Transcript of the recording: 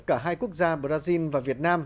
cả hai quốc gia brazil và việt nam